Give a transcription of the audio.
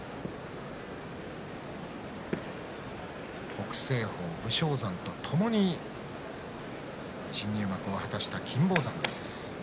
北青鵬、武将山とともに新入幕を果たした金峰山です。